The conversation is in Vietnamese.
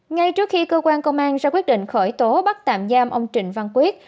ngay trước khi cơ quan công an ra quyết định khởi tố bắt tạm giam ông trịnh văn quyết